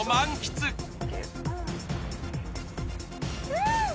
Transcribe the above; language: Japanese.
うん！